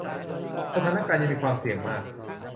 สถานการณ์ยังมีความเสี่ยงมาก